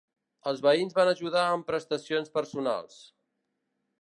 Els veïns van ajudar amb prestacions personals.